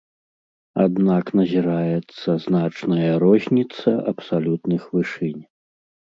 Аднак назіраецца значная розніца абсалютных вышынь.